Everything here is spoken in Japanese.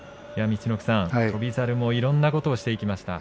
陸奥さん、翔猿もいろんなことをしてきました。